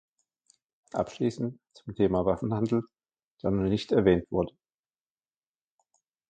Abschließend zum Thema Waffenhandel, der noch nicht erwähnt wurde.